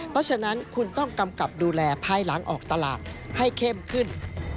เพราะฉะนั้นคุณต้องกำกับดูแลภายหลังออกตลาดให้เข้มขึ้น